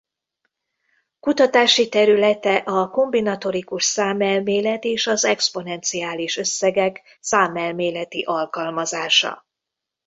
Kutatási területe a kombinatorikus számelmélet és az exponenciális összegek számelméleti alkalmazása.